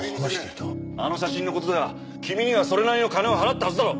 あの写真の事では君にはそれなりの金を払ったはずだろ。